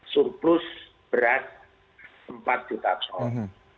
surplus beras empat juta ton